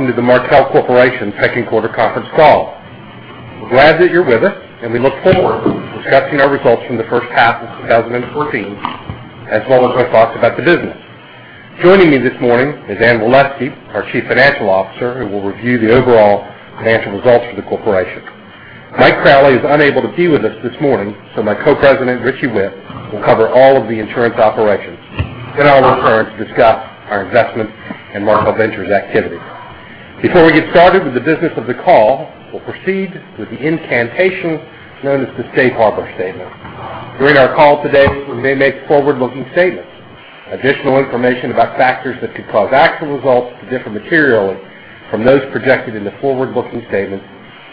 Welcome to the Markel Corporation second quarter conference call. We're glad that you're with us, and we look forward to discussing our results from the first half of 2014, as well as our thoughts about the business. Joining me this morning is Anne G. Waleski, our Chief Financial Officer, who will review the overall financial results for the corporation. Mike Crowley is unable to be with us this morning, so my Co-President, Richie Whitt, will cover all of the insurance operations. I'll return to discuss our investment in Markel Ventures activity. Before we get started with the business of the call, we'll proceed with the incantation known as the safe harbor statement. During our call today, we may make forward-looking statements. Additional information about factors that could cause actual results to differ materially from those projected in the forward-looking statements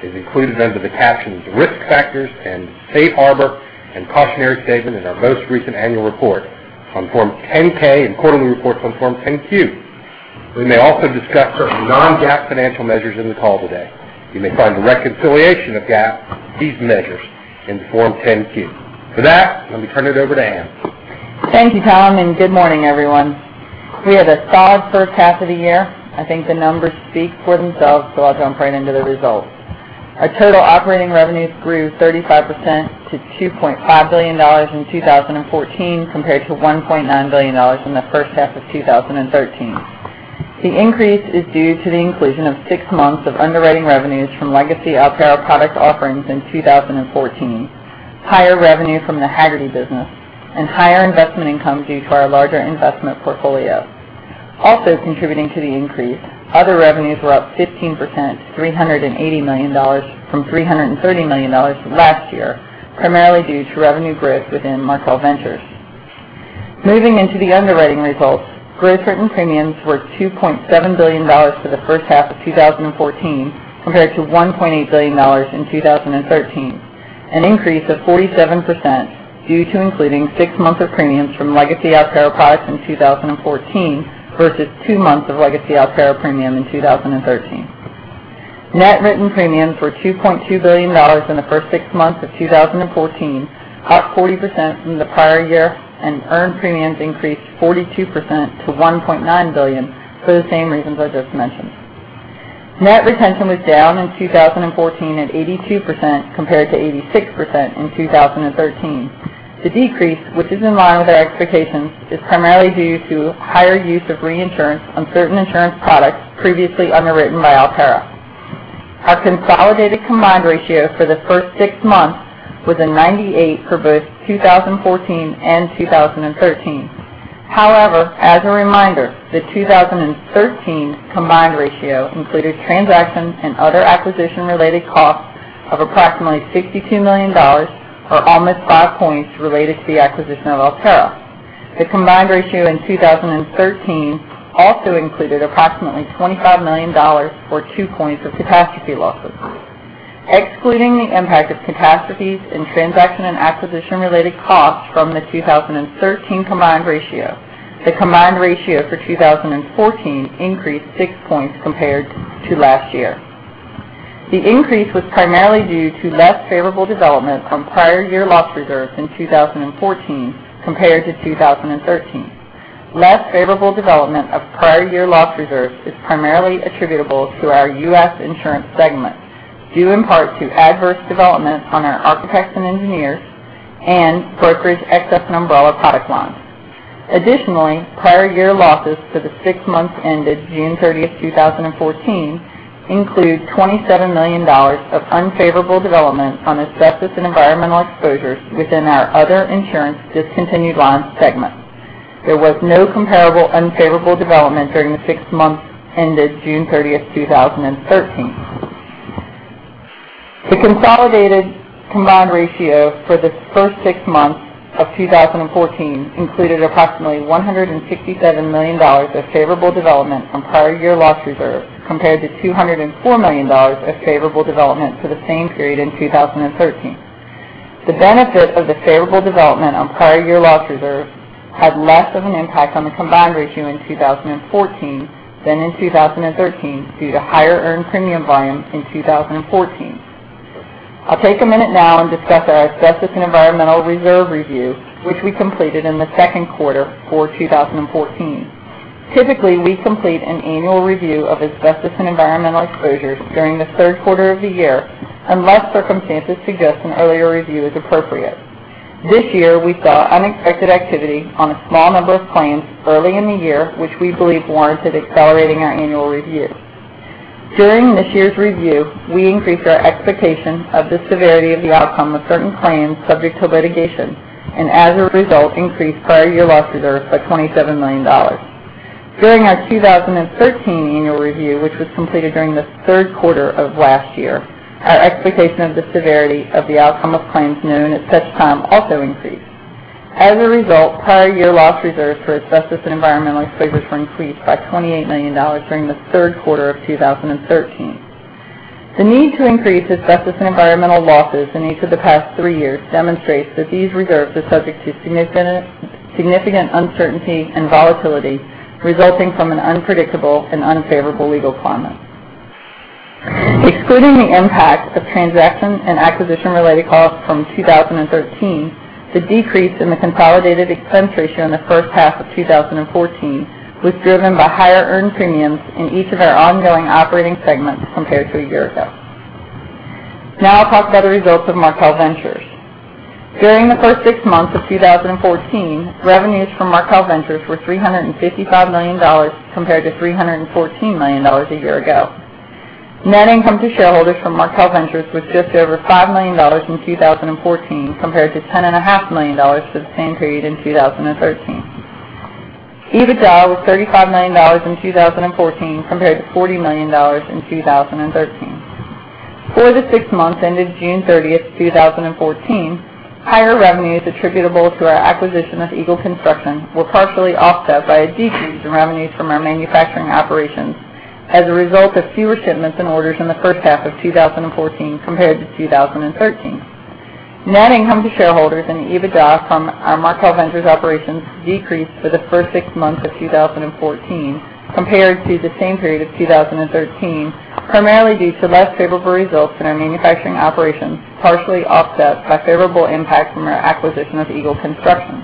is included under the captions "Risk Factors" and "Safe Harbor and Cautionary Statement" in our most recent annual report on Form 10-K and quarterly report on Form 10-Q. We may also discuss certain non-GAAP financial measures in the call today. You may find a reconciliation of GAAP to these measures in the Form 10-Q. Let me turn it over to Anne. Thank you, Tom, and good morning, everyone. We had a solid first half of the year. I think the numbers speak for themselves, so I'll jump right into the results. Our total operating revenues grew 35% to $2.5 billion in 2014 compared to $1.9 billion in the first half of 2013. The increase is due to the inclusion of 6 months of underwriting revenues from legacy Alterra product offerings in 2014, higher revenue from the Hagerty business, and higher investment income due to our larger investment portfolio. Also contributing to the increase, other revenues were up 15%, $380 million from $330 million from last year, primarily due to revenue growth within Markel Ventures. Moving into the underwriting results, gross written premiums were $2.7 billion for the first half of 2014 compared to $1.8 billion in 2013, an increase of 47% due to including 6 months of premiums from legacy Alterra products in 2014 versus 2 months of legacy Alterra premium in 2013. Net written premiums were $2.2 billion in the first 6 months of 2014, up 40% from the prior year, and earned premiums increased 42% to $1.9 billion for the same reasons I just mentioned. Net retention was down in 2014 at 82% compared to 86% in 2013. The decrease, which is in line with our expectations, is primarily due to higher use of reinsurance on certain insurance products previously underwritten by Alterra. Our consolidated combined ratio for the first 6 months was a 98% for both 2014 and 2013. However, as a reminder, the 2013 combined ratio included transactions and other acquisition-related costs of approximately $62 million, or almost five points, related to the acquisition of Alterra. The combined ratio in 2013 also included approximately $25 million or two points of catastrophe losses. Excluding the impact of catastrophes and transaction and acquisition-related costs from the 2013 combined ratio, the combined ratio for 2014 increased six points compared to last year. The increase was primarily due to less favorable development from prior year loss reserves in 2014 compared to 2013. Less favorable development of prior year loss reserves is primarily attributable to our U.S. insurance segment, due in part to adverse developments on our architects and engineers and brokers' excess and umbrella product lines. Additionally, prior year losses for the six months ended June 30th, 2014, include $27 million of unfavorable development on asbestos & environmental exposures within our other insurance discontinued lines segment. There was no comparable unfavorable development during the six months ended June 30th, 2013. The consolidated combined ratio for the first six months of 2014 included approximately $167 million of favorable development from prior year loss reserve, compared to $204 million of favorable development for the same period in 2013. The benefit of the favorable development on prior year loss reserves had less of an impact on the combined ratio in 2014 than in 2013 due to higher earned premium volumes in 2014. I'll take a minute now and discuss our asbestos and environmental reserve review, which we completed in the second quarter for 2014. Typically, we complete an annual review of asbestos and environmental exposures during the third quarter of the year, unless circumstances suggest an earlier review is appropriate. This year, we saw unexpected activity on a small number of claims early in the year, which we believe warranted accelerating our annual review. During this year's review, we increased our expectation of the severity of the outcome of certain claims subject to litigation, and as a result, increased prior year loss reserves by $27 million. During our 2013 annual review, which was completed during the third quarter of last year, our expectation of the severity of the outcome of claims known at such time also increased. As a result, prior year loss reserves for asbestos & environmental exposures were increased by $28 million during the third quarter of 2013. The need to increase asbestos and environmental losses in each of the past three years demonstrates that these reserves are subject to significant uncertainty and volatility resulting from an unpredictable and unfavorable legal climate. Excluding the impact of transaction and acquisition-related costs from 2013, the decrease in the consolidated expense ratio in the first half of 2014 was driven by higher earned premiums in each of our ongoing operating segments compared to a year ago. I'll talk about the results of Markel Ventures. During the first six months of 2014, revenues from Markel Ventures were $355 million compared to $314 million a year ago. Net income to shareholders from Markel Ventures was just over $5 million in 2014, compared to $10.5 million for the same period in 2013. EBITDA was $35 million in 2014 compared to $40 million in 2013. For the six months ended June 30th, 2014, higher revenues attributable to our acquisition of Eagle Construction were partially offset by a decrease in revenues from our manufacturing operations as a result of fewer shipments and orders in the first half of 2014 compared to 2013. Net income to shareholders and EBITDA from our Markel Ventures operations decreased for the first six months of 2014 compared to the same period of 2013, primarily due to less favorable results in our manufacturing operations, partially offset by favorable impact from our acquisition of Eagle Construction.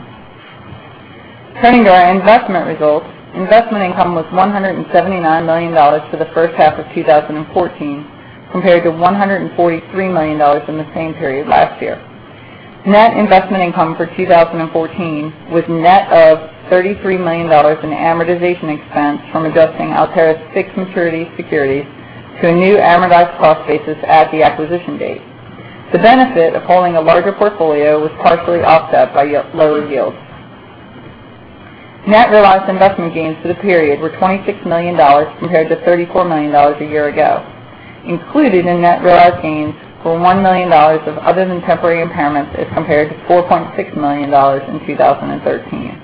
Turning to our investment results. Investment income was $179 million for the first half of 2014, compared to $143 million in the same period last year. Net investment income for 2014 was net of $33 million in amortization expense from adjusting Alterra's fixed maturity securities to a new amortized cost basis at the acquisition date. The benefit of holding a larger portfolio was partially offset by lower yields. Net realized investment gains for the period were $26 million, compared to $34 million a year ago. Included in net realized gains were $1 million of other than temporary impairments as compared to $4.6 million in 2013.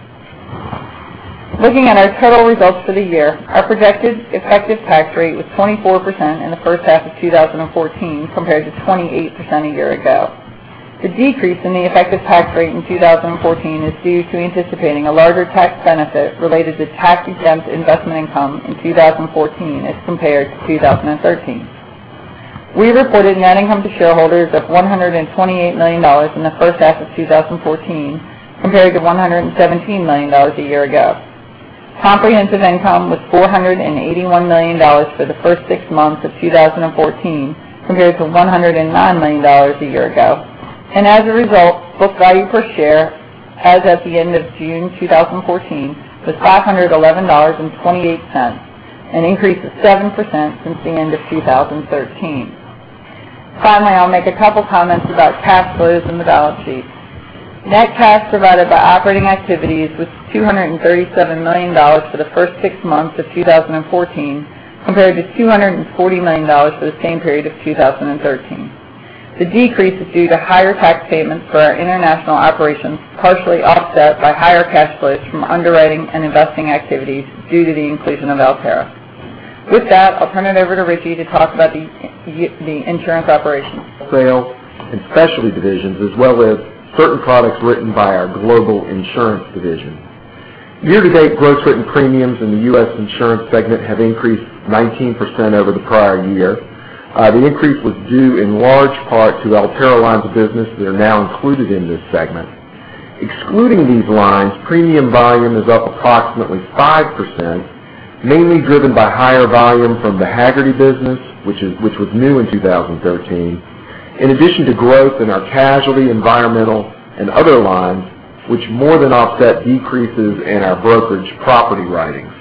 Looking at our total results for the year, our projected effective tax rate was 24% in the first half of 2014 compared to 28% a year ago. The decrease in the effective tax rate in 2014 is due to anticipating a larger tax benefit related to tax-exempt investment income in 2014 as compared to 2013. We reported net income to shareholders of $128 million in the first half of 2014, compared to $117 million a year ago. Comprehensive income was $481 million for the first six months of 2014, compared to $109 million a year ago. As a result, book value per share as at the end of June 2014 was $511.28, an increase of 7% since the end of 2013. Finally, I'll make a couple comments about cash flows and the balance sheet. Net cash provided by operating activities was $237 million for the first six months of 2014, compared to $240 million for the same period of 2013. The decrease is due to higher tax payments for our international operations, partially offset by higher cash flows from underwriting and investing activities due to the inclusion of Alterra. With that, I'll turn it over to Richie to talk about the insurance operations. Sales and specialty divisions, as well as certain products written by our global insurance division. Year to date, gross written premiums in the U.S. insurance segment have increased 19% over the prior year. The increase was due in large part to Alterra lines of business that are now included in this segment. Excluding these lines, premium volume is up approximately 5%, mainly driven by higher volume from the Hagerty business, which was new in 2013, in addition to growth in our casualty, environmental, and other lines, which more than offset decreases in our brokerage property writings.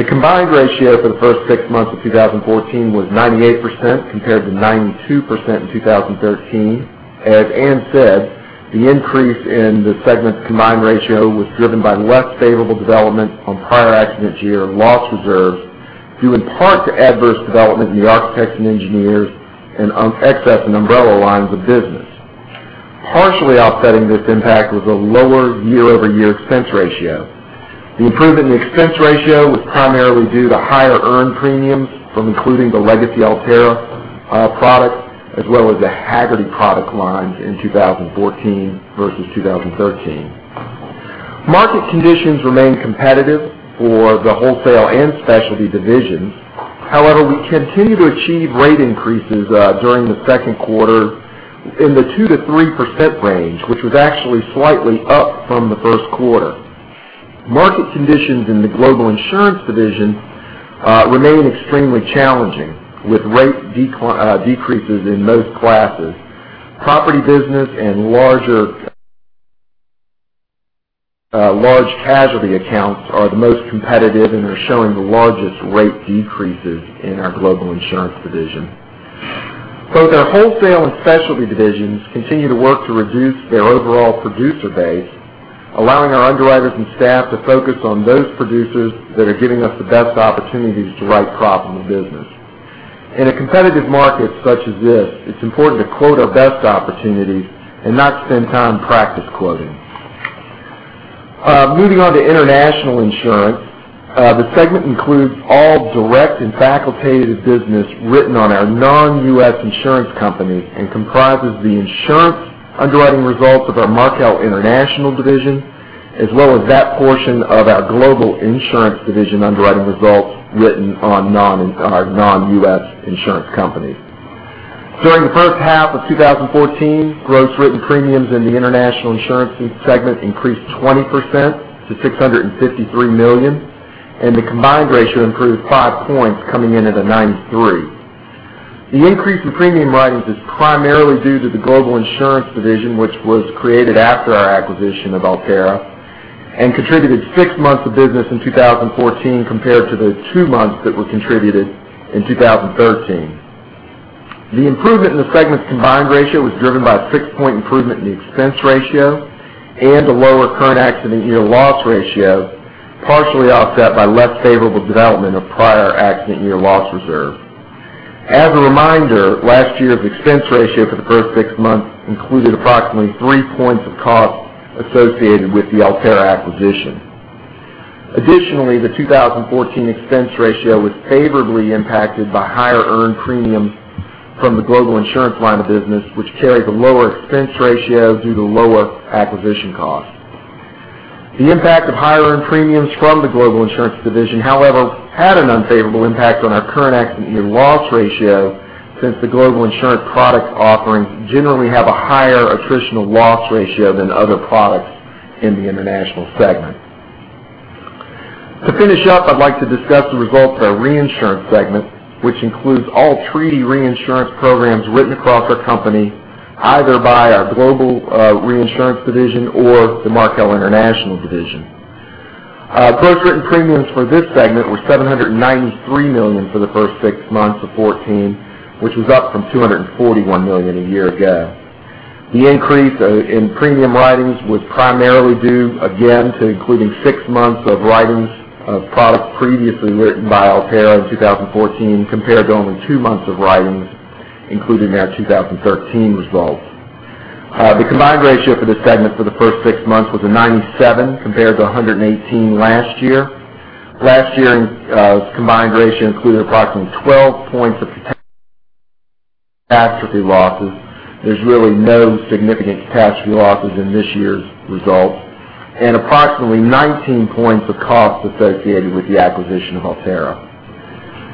The combined ratio for the first six months of 2014 was 98%, compared to 92% in 2013. As Anne said, the increase in the segment's combined ratio was driven by less favorable development on prior accident year loss reserves, due in part to adverse development in the architects and engineers and excess and umbrella lines of business. Partially offsetting this impact was a lower year-over-year expense ratio. The improvement in the expense ratio was primarily due to higher earned premiums from including the legacy Alterra products, as well as the Hagerty product lines in 2014 versus 2013. Market conditions remain competitive for the wholesale and specialty divisions. However, we continue to achieve rate increases during the second quarter in the 2%-3% range, which was actually slightly up from the first quarter. Market conditions in the global insurance division remain extremely challenging, with rate decreases in most classes. Property business and large casualty accounts are the most competitive and are showing the largest rate decreases in our global insurance division. Both our wholesale and specialty divisions continue to work to reduce their overall producer base, allowing our underwriters and staff to focus on those producers that are giving us the best opportunities to write profitable business. In a competitive market such as this, it's important to quote our best opportunities and not spend time practice quoting. Moving on to international insurance. The segment includes all direct and facultative business written on our non-U.S. insurance company and comprises the insurance underwriting results of our Markel International division as well as that portion of our global insurance division underwriting results written on non-U.S. insurance companies. During the first half of 2014, gross written premiums in the international insurance segment increased 20% to $653 million, and the combined ratio improved five points, coming in at a 93%. The increase in premium writings is primarily due to the global insurance division, which was created after our acquisition of Alterra, and contributed six months of business in 2014 compared to the two months that were contributed in 2013. The improvement in the segment's combined ratio was driven by a six-point improvement in the expense ratio and a lower current accident year loss ratio, partially offset by less favorable development of prior accident year loss reserve. As a reminder, last year's expense ratio for the first six months included approximately three points of cost associated with the Alterra acquisition. The 2014 expense ratio was favorably impacted by higher earned premiums from the global insurance line of business, which carried a lower expense ratio due to lower acquisition costs. The impact of higher earned premiums from the global insurance division, however, had an unfavorable impact on our current accident year loss ratio since the global insurance product offerings generally have a higher attritional loss ratio than other products in the international segment. To finish up, I'd like to discuss the results of our reinsurance segment, which includes all treaty reinsurance programs written across our company, either by our global reinsurance division or the Markel International division. Gross written premiums for this segment were $793 million for the first six months of 2014, which was up from $241 million a year ago. The increase in premium writings was primarily due, again, to including six months of writings of products previously written by Alterra in 2014, compared to only two months of writings included in our 2013 results. The combined ratio for this segment for the first six months was a 97 compared to 118 last year. Last year's combined ratio included approximately 12 points of potential catastrophe losses. There's really no significant catastrophe losses in this year's results, and approximately 19 points of cost associated with the acquisition of Alterra.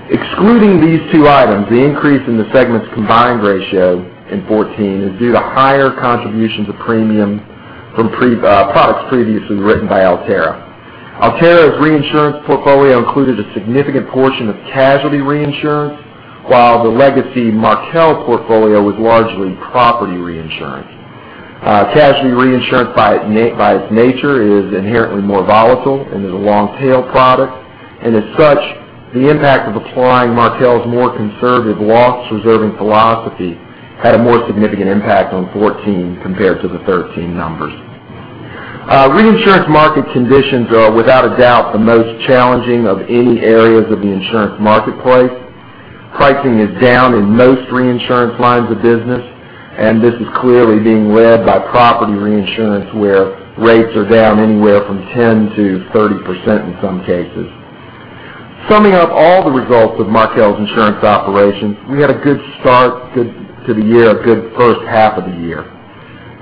Excluding these two items, the increase in the segment's combined ratio in 2014 is due to higher contributions of premium from products previously written by Alterra. Alterra's reinsurance portfolio included a significant portion of casualty reinsurance, while the legacy Markel portfolio was largely property reinsurance. Casualty reinsurance, by its nature, is inherently more volatile and is a long-tail product. As such, the impact of applying Markel's more conservative loss reserving philosophy had a more significant impact on 2014 compared to the 2013 numbers. Reinsurance market conditions are, without a doubt, the most challenging of any areas of the insurance marketplace. Pricing is down in most reinsurance lines of business. This is clearly being led by property reinsurance, where rates are down anywhere from 10%-30% in some cases. Summing up all the results of Markel's insurance operations, we had a good start to the year, a good first half of the year.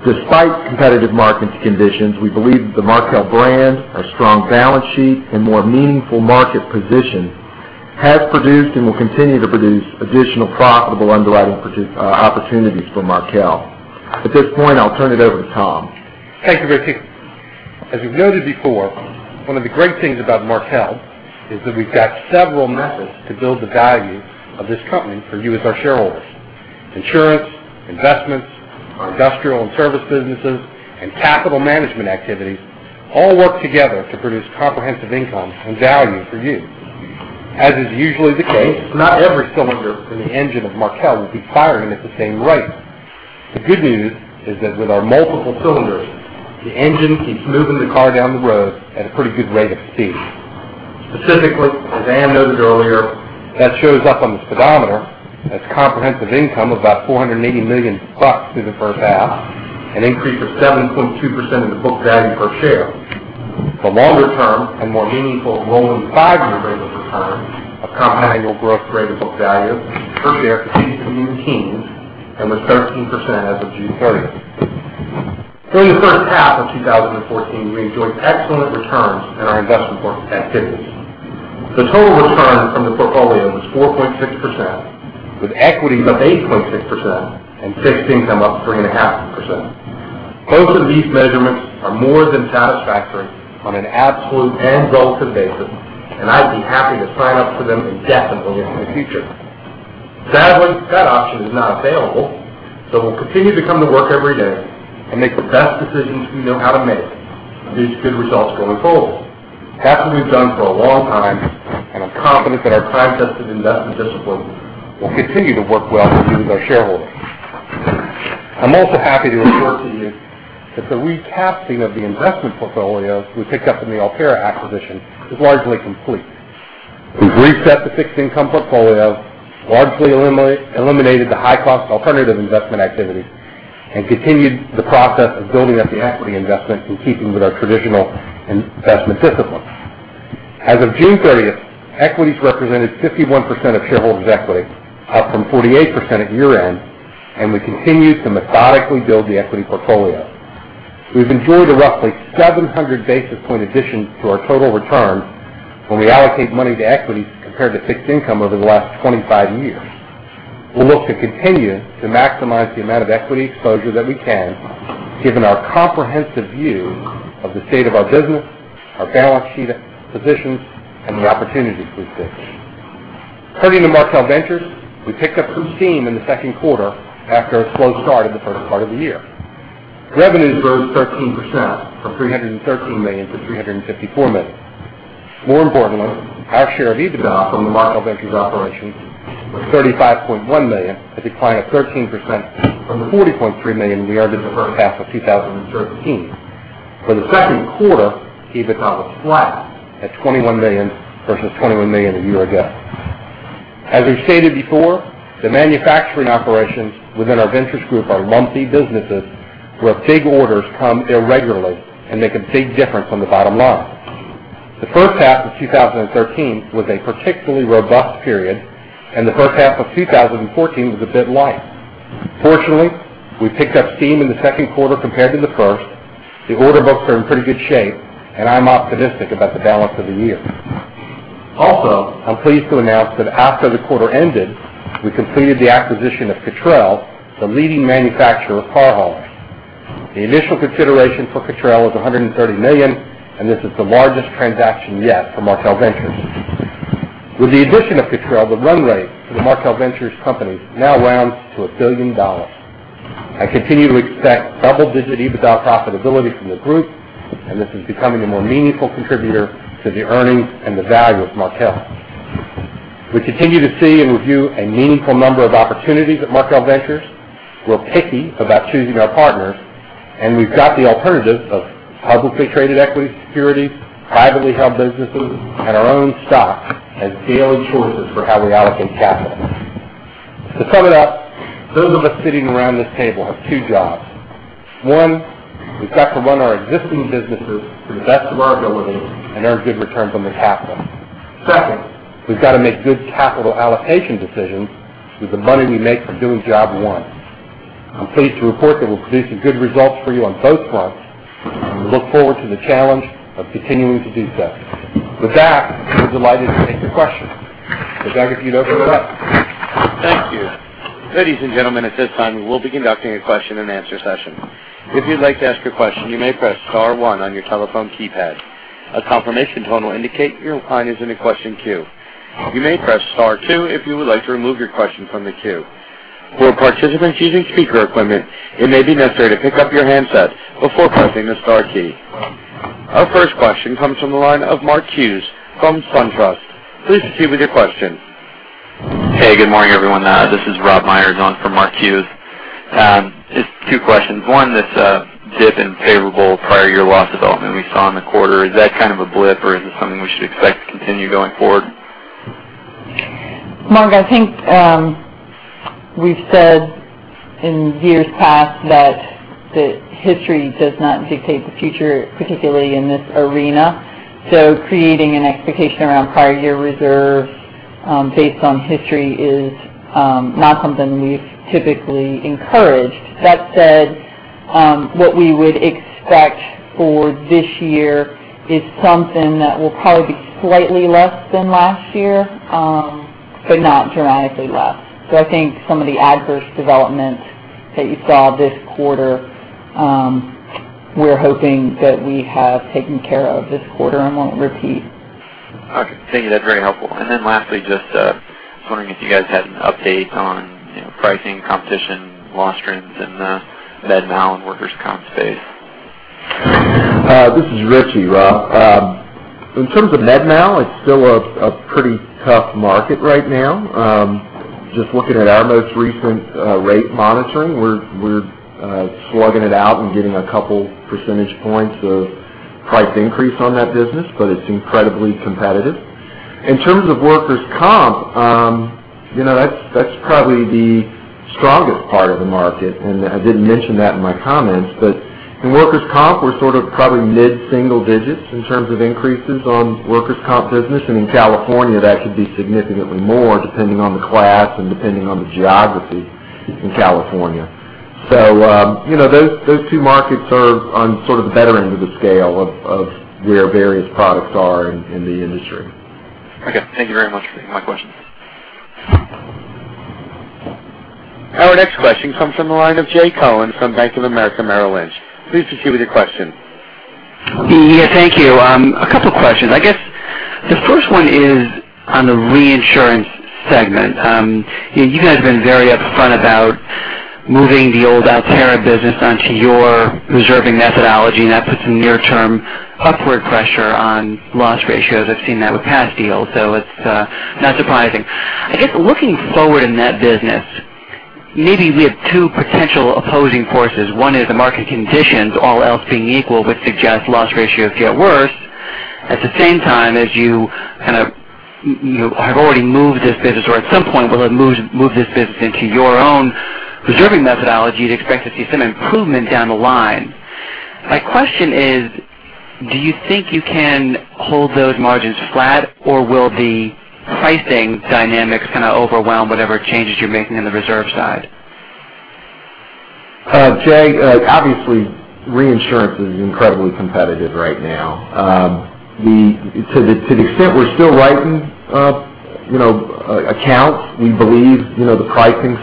Despite competitive market conditions, we believe that the Markel brand, our strong balance sheet, and more meaningful market position has produced and will continue to produce additional profitable underwriting opportunities for Markel. At this point, I'll turn it over to Tom. Thank you, Rick. As you've noted before, one of the great things about Markel is that we've got several methods to build the value of this company for you as our shareholders. Insurance, investments, our industrial and service businesses, capital management activities all work together to produce comprehensive income and value for you. As is usually the case, not every cylinder in the engine of Markel will be firing at the same rate. The good news is that with our multiple cylinders, the engine keeps moving the car down the road at a pretty good rate of speed. Specifically, as Anne noted earlier, that shows up on the speedometer as comprehensive income of about $480 million through the first half, an increase of 7.2% in the book value per share. The longer term and more meaningful rolling five-year rate of return of compound annual growth rate of book value per share continues to be in the teens and was 13% as of June 30th. During the first half of 2014, we enjoyed excellent returns in our investment activities. The total return from the portfolio was 4.6%, with equity up 8.6% and fixed income up 3.5%. Both of these measurements are more than satisfactory on an absolute and relative basis, and I'd be happy to sign up for them again in the future. Sadly, that option is not available. We'll continue to come to work every day and make the best decisions we know how to make these good results going forward. That's what we've done for a long time, and I'm confident that our time-tested investment discipline will continue to work well for you as our shareholders. I'm also happy to report to you that the recasting of the investment portfolio we picked up in the Alterra acquisition is largely complete. We've reset the fixed income portfolio, largely eliminated the high cost alternative investment activity, and continued the process of building up the equity investment in keeping with our traditional investment discipline. As of June 30th, equities represented 51% of shareholders' equity, up from 48% at year-end, and we continue to methodically build the equity portfolio. We've enjoyed a roughly 700 basis point addition to our total return when we allocate money to equity compared to fixed income over the last 25 years. We'll look to continue to maximize the amount of equity exposure that we can, given our comprehensive view of the state of our business, our balance sheet positions, and the opportunities we see. Turning to Markel Ventures, we picked up some steam in the second quarter after a slow start in the first part of the year. Revenues rose 13%, from $313 million to $354 million. More importantly, our share of EBITDA from the Markel Ventures operations was $35.1 million, a decline of 13% from the $40.3 million we earned in the first half of 2013. For the second quarter, EBITDA was flat at $21 million versus $21 million a year ago. As we've stated before, the manufacturing operations within our ventures group are lumpy businesses where big orders come irregularly and make a big difference on the bottom line. The first half of 2013 was a particularly robust period, and the first half of 2014 was a bit light. Fortunately, we picked up steam in the second quarter compared to the first. The order books are in pretty good shape, and I'm optimistic about the balance of the year. Also, I'm pleased to announce that after the quarter ended, we completed the acquisition of Cottrell, the leading manufacturer of car haulers. The initial consideration for Cottrell was $130 million, and this is the largest transaction yet for Markel Ventures. With the addition of Cottrell, the run rate for the Markel Ventures companies now rounds to a billion dollars. I continue to expect double-digit EBITDA profitability from the group, and this is becoming a more meaningful contributor to the earnings and the value of Markel. We continue to see and review a meaningful number of opportunities at Markel Ventures. We're picky about choosing our partners, and we've got the alternatives of publicly traded equity securities, privately held businesses, and our own stock as daily choices for how we allocate capital. To sum it up, those of us sitting around this table have two jobs. One, we've got to run our existing businesses to the best of our ability and earn good returns on the capital. Second, we've got to make good capital allocation decisions with the money we make from doing job one. I'm pleased to report that we've produced some good results for you on both fronts, and we look forward to the challenge of continuing to do so. With that, we're delighted to take your questions. Operator, if you'd open it up. Thank you. Ladies and gentlemen, at this time, we will be conducting a question-and-answer session. If you'd like to ask a question, you may press star one on your telephone keypad. A confirmation tone will indicate your line is in the question queue. You may press star two if you would like to remove your question from the queue. For participants using speaker equipment, it may be necessary to pick up your handset before pressing the star key. Our first question comes from the line of Mark Hughes from SunTrust. Please proceed with your question. Hey, good morning, everyone. This is Rob Myers on for Mark Hughes. Just two questions. One, this dip in payable prior year loss development we saw in the quarter. Is that kind of a blip, or is this something we should expect to continue going forward? Mark, I think we've said in years past that history does not dictate the future, particularly in this arena. Creating an expectation around prior year reserve based on history is not something we've typically encouraged. That said, what we would expect for this year is something that will probably be slightly less than last year, but not dramatically less. I think some of the adverse developments that you saw this quarter, we're hoping that we have taken care of this quarter and won't repeat. Okay. Thank you. That's very helpful. Lastly, just wondering if you guys had an update on pricing, competition, loss trends in the MedMal and workers' comp space. This is Richie, Rob. In terms of MedMal, it's still a pretty tough market right now. Just looking at our most recent rate monitoring, we're slugging it out and getting a couple percentage points of price increase on that business, but it's incredibly competitive. In terms of workers' comp, that's probably the strongest part of the market. I didn't mention that in my comments, but in workers' comp, we're sort of probably mid-single digits in terms of increases on workers' comp business. In California, that could be significantly more depending on the class and depending on the geography in California. Those two markets are on sort of the better end of the scale of where various products are in the industry. Okay. Thank you very much for taking my question. Our next question comes from the line of Jay Cohen from Bank of America Merrill Lynch. Please proceed with your question. Yeah, thank you. A couple questions. I guess the first one is on the reinsurance segment. You guys have been very upfront about moving the old Alterra business onto your reserving methodology, and that puts some near-term upward pressure on loss ratios. I've seen that with past deals, so it's not surprising. I guess looking forward in that business, maybe we have two potential opposing forces. One is the market conditions, all else being equal, would suggest loss ratios get worse. At the same time, as you kind of You have already moved this business, or at some point will have moved this business into your own reserving methodology, you'd expect to see some improvement down the line. My question is, do you think you can hold those margins flat, or will the pricing dynamics kind of overwhelm whatever changes you're making on the reserve side? Jay, obviously, reinsurance is incredibly competitive right now. To the extent we're still writing accounts, we believe the pricing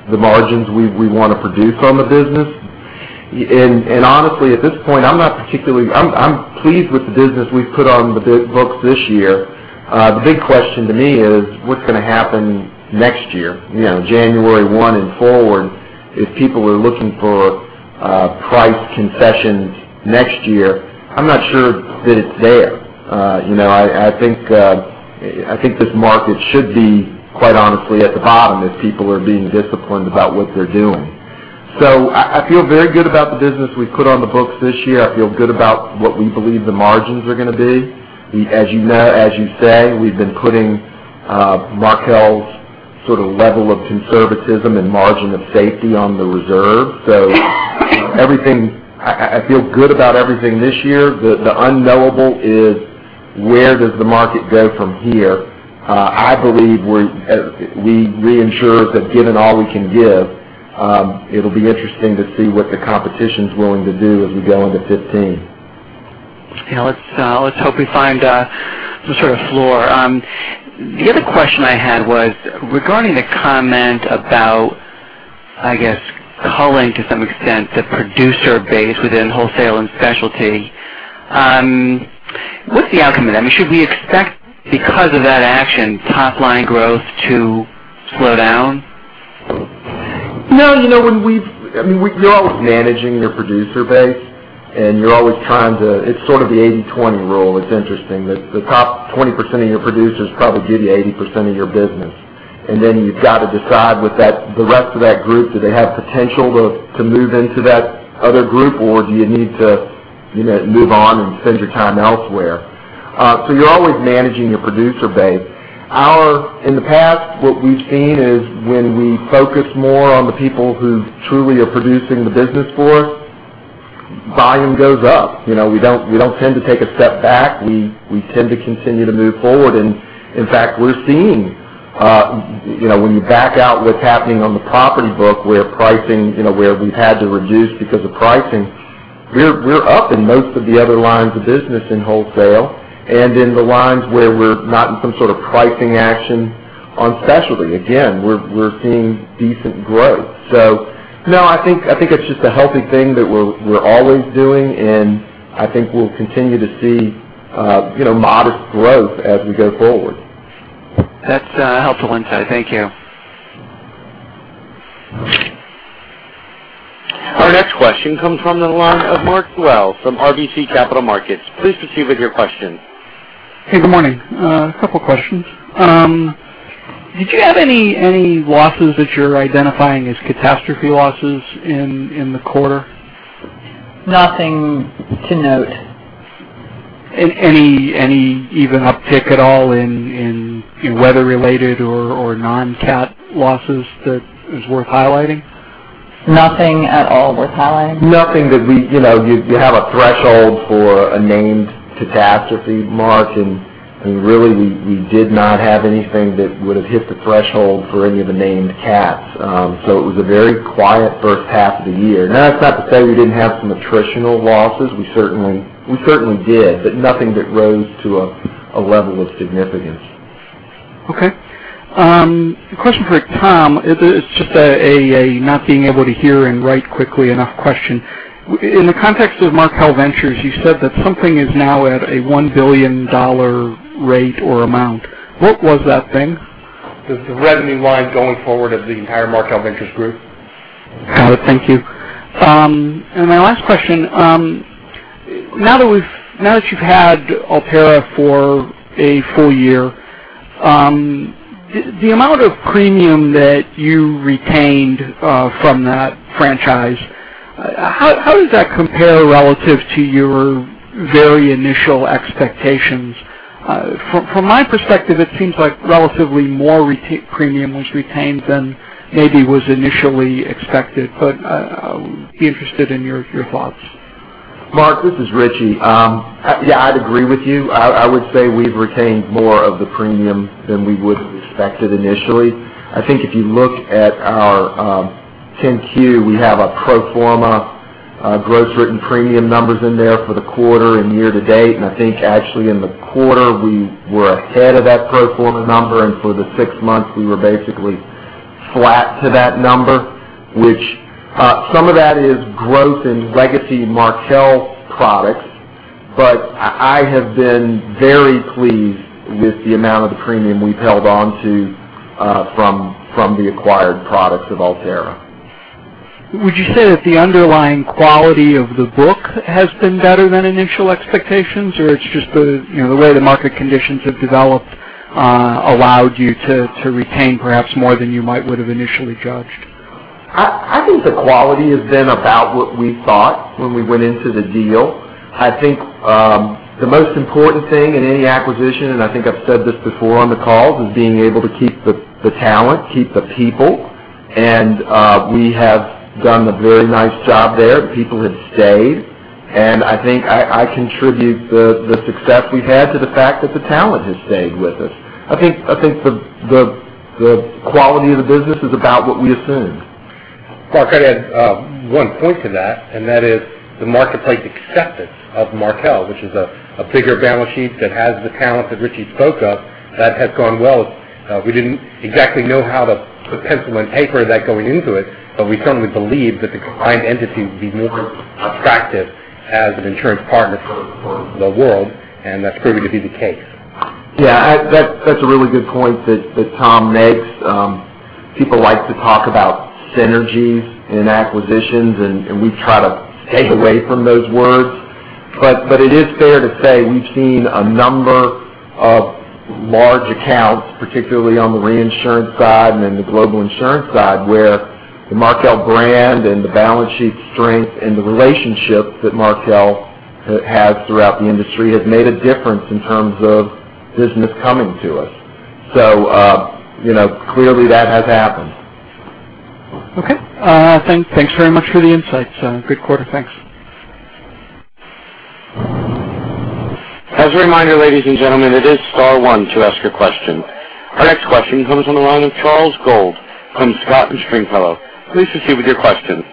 supports the margins we want to produce on the business. Honestly, at this point, I'm pleased with the business we've put on the books this year. The big question to me is what's going to happen next year, January 1 and forward. If people are looking for price concessions next year, I'm not sure that it's there. I think this market should be, quite honestly, at the bottom if people are being disciplined about what they're doing. I feel very good about the business we've put on the books this year. I feel good about what we believe the margins are going to be. As you say, we've been putting Markel's sort of level of conservatism and margin of safety on the reserve. I feel good about everything this year. The unknowable is where does the market go from here? I believe we reinsurers have given all we can give. It'll be interesting to see what the competition's willing to do as we go into 2015. Yeah, let's hope we find some sort of floor. The other question I had was regarding the comment about, I guess, culling to some extent the producer base within wholesale and specialty. What's the outcome of that? Should we expect, because of that action, top-line growth to slow down? No. You're always managing your producer base, and you're always trying to it's sort of the 80/20 rule. It's interesting that the top 20% of your producers probably give you 80% of your business. Then you've got to decide with the rest of that group, do they have potential to move into that other group, or do you need to move on and spend your time elsewhere? You're always managing your producer base. In the past, what we've seen is when we focus more on the people who truly are producing the business for us, volume goes up. We don't tend to take a step back. We tend to continue to move forward, in fact, we're seeing when you back out what's happening on the property book, where we've had to reduce because of pricing, we're up in most of the other lines of business in wholesale and in the lines where we're not in some sort of pricing action on specialty. Again, we're seeing decent growth. No, I think it's just a healthy thing that we're always doing, and I think we'll continue to see modest growth as we go forward. That's a helpful insight. Thank you. Our next question comes from the line of Mark Dwelle from RBC Capital Markets. Please proceed with your question. Hey, good morning. A couple questions. Did you have any losses that you're identifying as catastrophe losses in the quarter? Nothing to note. Any even uptick at all in weather-related or non-cat losses that is worth highlighting? Nothing at all worth highlighting. Nothing that you have a threshold for a named catastrophe, Mark. Really, we did not have anything that would have hit the threshold for any of the named cats. It was a very quiet first half of the year. That's not to say we didn't have some attritional losses. We certainly did, but nothing that rose to a level of significance. Okay. A question for Tom. It's just a not being able to hear and write quickly enough question. In the context of Markel Ventures, you said that something is now at a $1 billion rate or amount. What was that thing? The revenue line going forward of the entire Markel Ventures group. Got it. Thank you. My last question, now that you've had Alterra for a full year, the amount of premium that you retained from that franchise, how does that compare relative to your very initial expectations? From my perspective, it seems like relatively more premium was retained than maybe was initially expected. I'd be interested in your thoughts. Mark, this is Richie. Yeah, I'd agree with you. I would say we've retained more of the premium than we would have expected initially. I think if you look at our 10-Q, we have pro forma gross written premium numbers in there for the quarter and year to date. I think actually in the quarter, we were ahead of that pro forma number, and for the 6 months, we were basically flat to that number. Some of that is growth in legacy Markel products. I have been very pleased with the amount of the premium we've held onto from the acquired products of Alterra. Would you say that the underlying quality of the book has been better than initial expectations, or it's just the way the market conditions have developed allowed you to retain perhaps more than you might would have initially judged? I think the quality has been about what we thought when we went into the deal. I think the most important thing in any acquisition, I think I've said this before on the calls, is being able to keep the talent, keep the people, we have done a very nice job there. The people have stayed, I think I contribute the success we've had to the fact that the talent has stayed with us. I think the quality of the business is about what we assumed. Mark, can I add one point to that, and that is the marketplace acceptance of Markel, which is a bigger balance sheet that has the talent that Richie spoke of, that has gone well. We didn't exactly know how to put pencil and paper that going into it, but we firmly believed that the combined entity would be more attractive as an insurance partner for the world, and that's proving to be the case. Yeah. That's a really good point that Tom makes. People like to talk about synergies in acquisitions. We try to stay away from those words. It is fair to say we've seen a number of large accounts, particularly on the reinsurance side and in the global insurance side, where the Markel brand and the balance sheet strength and the relationship that Markel has throughout the industry has made a difference in terms of business coming to us. Clearly that has happened. Okay. Thanks very much for the insights. Good quarter. Thanks. As a reminder, ladies and gentlemen, it is star one to ask your question. Our next question comes on the line of Charles Gold from Scott & Stringfellow. Please proceed with your question.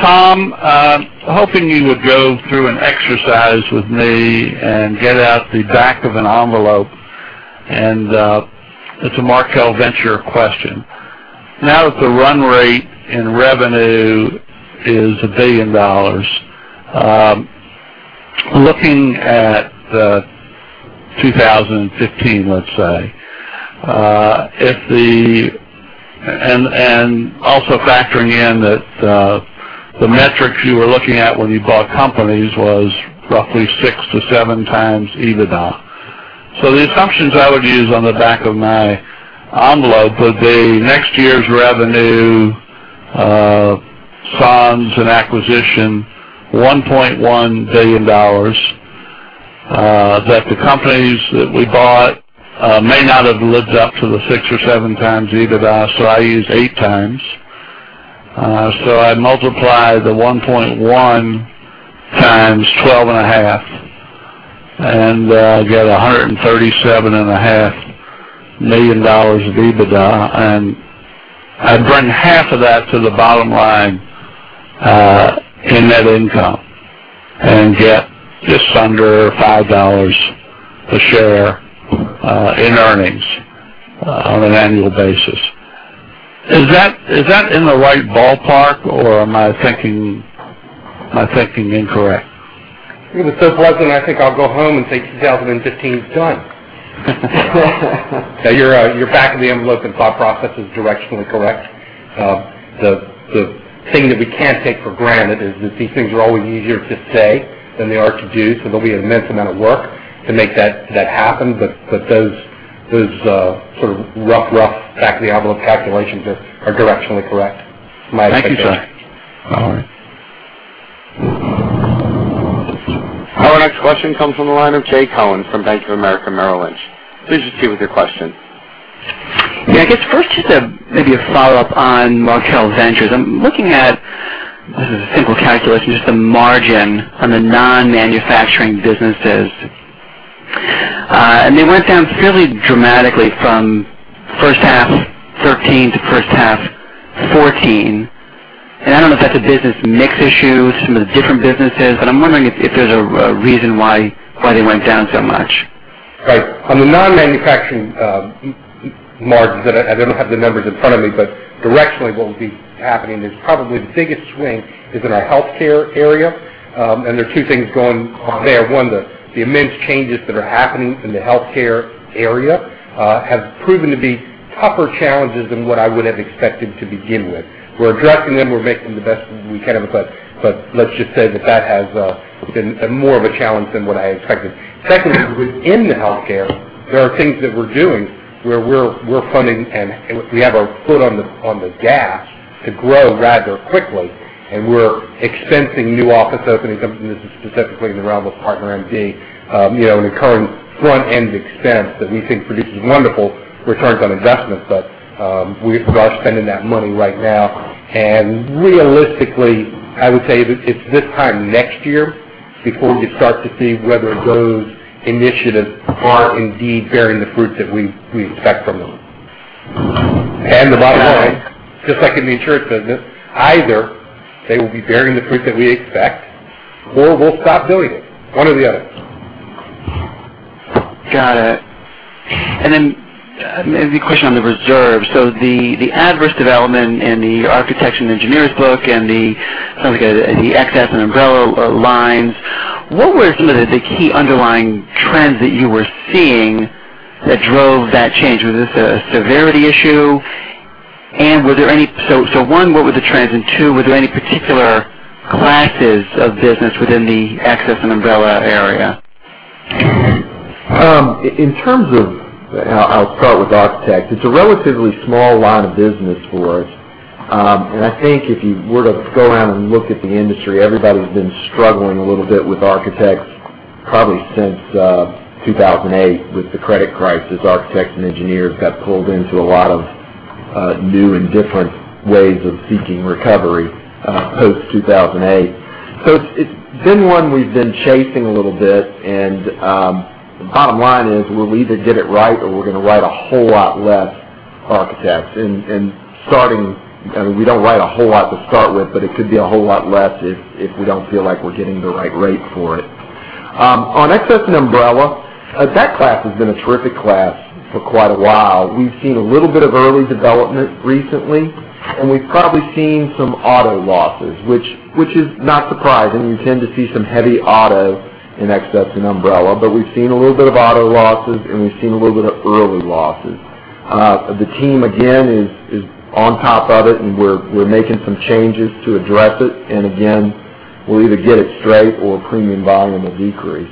Tom, hoping you would go through an exercise with me and get out the back of an envelope. It's a Markel Ventures question. Now that the run rate in revenue is $1 billion, looking at 2015, let's say, and also factoring in that the metrics you were looking at when you bought companies was roughly six to seven times EBITDA. The assumptions I would use on the back of my envelope would be next year's revenue, sans acquisition, $1.1 billion, that the companies that we bought may not have lived up to the six or seven times EBITDA, so I used eight times. I multiply the 1.1 times 12.5, and I get $137.5 million of EBITDA, and I bring half of that to the bottom line in net income and get just under $5 a share in earnings on an annual basis. Is that in the right ballpark or am I thinking incorrect? If it's so pleasant, I think I'll go home and say 2015 is done. Your back of the envelope and thought process is directionally correct. The thing that we can't take for granted is that these things are always easier to say than they are to do, so there'll be an immense amount of work to make that happen. Those sort of rough back of the envelope calculations are directionally correct in my opinion. Thank you, sir. All right. Our next question comes from the line of Jay Cohen from Bank of America Merrill Lynch. Please proceed with your question. Yeah, I guess first, just maybe a follow-up on Markel Ventures. I'm looking at, this is a simple calculation, just the margin on the non-manufacturing businesses. They went down fairly dramatically from first half 2013 to first half 2014. I don't know if that's a business mix issue, some of the different businesses, but I'm wondering if there's a reason why they went down so much. Right. On the non-manufacturing margins, I don't have the numbers in front of me, but directionally what will be happening is probably the biggest swing is in our healthcare area, and there are two things going on there. One, the immense changes that are happening in the healthcare area have proven to be tougher challenges than what I would have expected to begin with. We're addressing them, we're making the best we can of it, but let's just say that that has been more of a challenge than what I expected. Secondly, within the healthcare, there are things that we're doing where we're funding and we have our foot on the gas to grow rather quickly, and we're expensing new office openings, and this is specifically in the realm of PartnerMD, an recurring front-end expense that we think produces wonderful returns on investment. We are spending that money right now, realistically, I would say that it's this time next year before we start to see whether those initiatives are indeed bearing the fruit that we expect from them. The bottom line, just like in the insurance business, either they will be bearing the fruit that we expect, or we'll stop doing it. One or the other. Got it. Maybe a question on the reserve. The adverse development in the architects and engineers book and the excess and umbrella lines, what were the key underlying trends that you were seeing that drove that change? Was this a severity issue? One, what were the trends, and two, were there any particular classes of business within the excess and umbrella area? In terms of, I'll start with architects. It's a relatively small line of business for us. I think if you were to go out and look at the industry, everybody's been struggling a little bit with architects probably since 2008. With the credit crisis, architects and engineers got pulled into a lot of new and different ways of seeking recovery post-2008. It's been one we've been chasing a little bit, the bottom line is we'll either get it right or we're going to write a whole lot less architects. We don't write a whole lot to start with, but it could be a whole lot less if we don't feel like we're getting the right rate for it. On excess and umbrella, that class has been a terrific class for quite a while. We've seen a little bit of early development recently, we've probably seen some auto losses, which is not surprising. You tend to see some heavy auto in excess and umbrella, we've seen a little bit of auto losses, we've seen a little bit of early losses. The team, again, is on top of it, we're making some changes to address it. Again, we'll either get it straight or premium volume will decrease.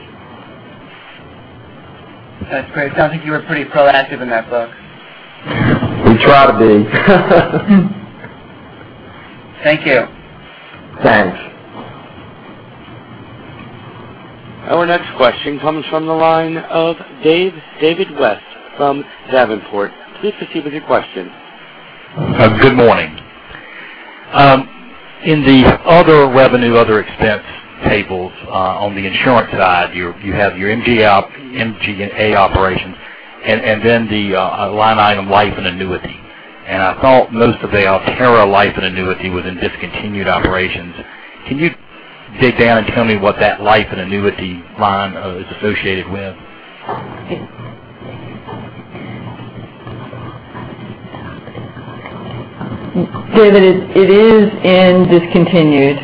That's great. It sounds like you were pretty proactive in that book. We try to be. Thank you. Thanks. Our next question comes from the line of David West from Davenport. Please proceed with your question. Good morning. In the other revenue, other expense tables on the insurance side, you have your MGA operations and then the line item life and annuity. I thought most of the Alterra life and annuity was in discontinued operations. Can you dig down and tell me what that life and annuity line is associated with? David, it is in discontinued,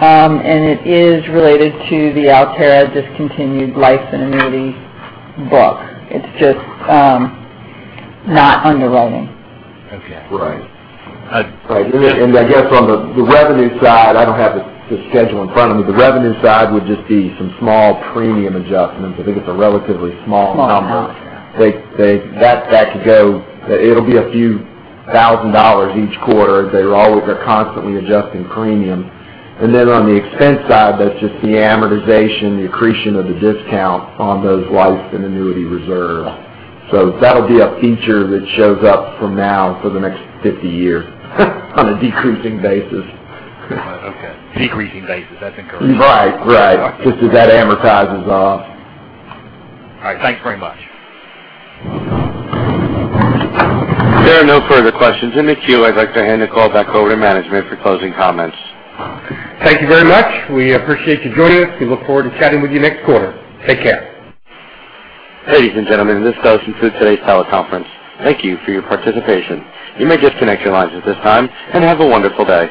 and it is related to the Alterra discontinued life and annuity book. It's just not underwriting. Okay. Right. I guess on the revenue side, I don't have the schedule in front of me. The revenue side would just be some small premium adjustments. I think it's a relatively small number. Small number. It'll be a few thousand dollars each quarter. They're constantly adjusting premium. On the expense side, that's just the amortization, the accretion of the discount on those life and annuity reserves. That'll be a feature that shows up from now for the next 50 years on a decreasing basis. Okay. Decreasing basis. That's encouraging. Right. Just as that amortizes off. All right. Thanks very much. There are no further questions in the queue. I'd like to hand the call back over to management for closing comments. Thank you very much. We appreciate you joining us. We look forward to chatting with you next quarter. Take care. Ladies and gentlemen, this does conclude today's teleconference. Thank you for your participation. You may disconnect your lines at this time. Have a wonderful day.